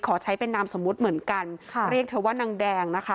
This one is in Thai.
ขอใช้เป็นนามสมมุติเหมือนกันค่ะเรียกเธอว่านางแดงนะคะ